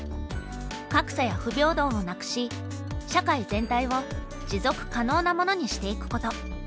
格差や不平等をなくし社会全体を持続可能なものにしていくこと。